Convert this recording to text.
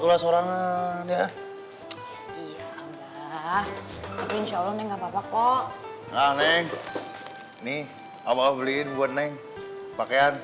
orang orang ya iya mbak insyaallah nggak papa kok neng nih apa beliin buat neng pakaian